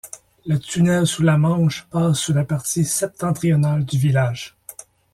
Le tunnel sous la Manche passe sous la partie septentrionale du village.